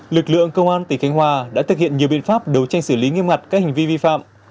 lực lượng công an tỉnh khánh hòa đã thực hiện nhiều biện pháp đấu tranh xử lý nghiêm ngặt các hành vi vi phạm